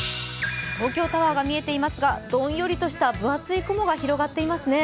東京タワーが見えていますが、どんよりとした分厚い雲が広がっていますね。